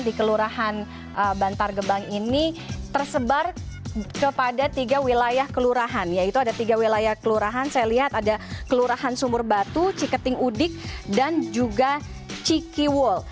di kelurahan bantar gebang ini tersebar kepada tiga wilayah kelurahan yaitu ada tiga wilayah kelurahan saya lihat ada kelurahan sumur batu ciketing udik dan juga cikiwul